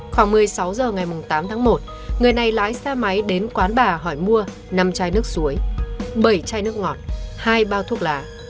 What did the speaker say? khoảng một mươi sáu h ngày tám tháng một người này lái xe máy đến quán bà hỏi mua năm chai nước suối bảy chai nước ngọt hai bao thuốc lá